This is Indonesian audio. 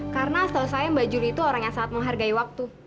karena setahu saya mbak juli itu orang yang sangat menghargai waktu